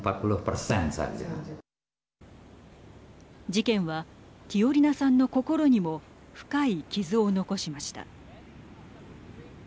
事件はティオリナさんの心にも深い傷を残しました。